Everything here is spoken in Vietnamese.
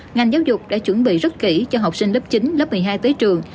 ngành giáo dục đã chuẩn bị rất kỹ cho học sinh lớp chín lớp một mươi hai tới trường